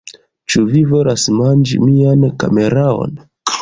Cxu vi volas manĝi mian kameraon?